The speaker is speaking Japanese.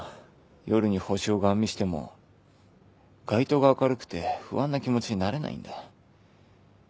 夜に星をガン見しても街灯が明るくて不安な気持ちになれないんだ。